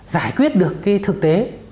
giải quyết được cái thực tế